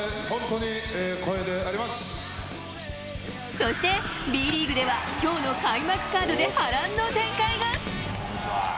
そして、Ｂリーグでは今日の開幕カードで波乱の展開が？